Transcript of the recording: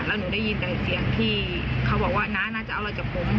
แล้วหนูได้ยินแต่เสียงที่เขาบอกว่าน้าน่าจะเอาอะไรจากผม